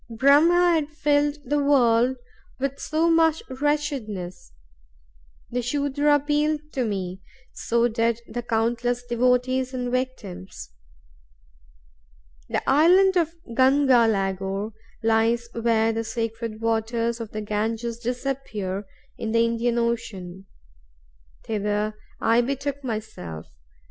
Brahm had filled the world with so much wretchedness. The Sudra appealed to me, so did the countless devotees and victims. The island of Ganga Lagor lies where the sacred waters of the Ganges disappear in the Indian Ocean. Thither I betook myself.